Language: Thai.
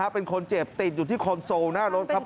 เป็นคนเจ็บติดอยู่ที่คอนโซลหน้ารถครับ